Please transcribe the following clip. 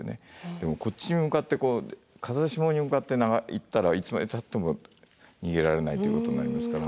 でもこっちに向かって風下に向かって行ったらいつまでたっても逃げられないっていうことになりますから。